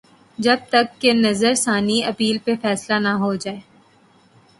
جب تک کہ نظر ثانی اپیل پہ فیصلہ نہ ہوجائے۔